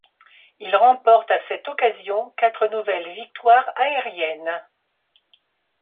Il remporte à cette occasion quatre nouvelles victoires aériennes.